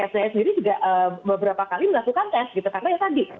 sca sendiri juga beberapa kali melakukan tes gitu karena ya tadi